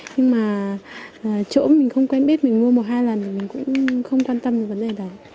nhưng mà chỗ mình không quen biết mình mua một hai lần mình cũng không quan tâm đến vấn đề đó